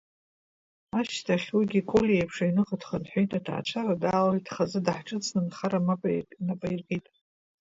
Ашьҭахь уигьы Колиа еиԥш аҩныҟа дхынҳәит, аҭаацәара далалеит, хазы даҳҿыҵны анхара нап аиркит.